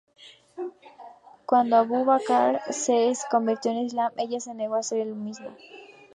Cuando Abu Bakr se convirtió al Islam, ella se negó a hacer lo mismo.